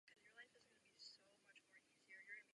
Byl jednatelem ústředního výboru Matice osvěty lidové.